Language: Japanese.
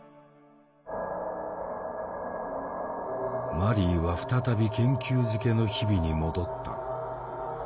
マリーは再び研究漬けの日々に戻った。